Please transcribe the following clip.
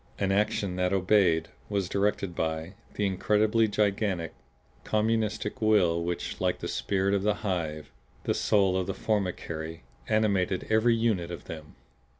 An action that obeyed, was directed by, the incredibly gigantic, communistic will which, like the spirit of the hive, the soul of the formicary, animated every unit of them.